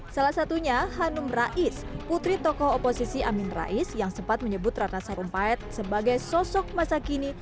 salah satunya hanum rais putri tokoh oposisi amin rais yang sempat menyebut ratna sarumpait sebagai sosok masa kini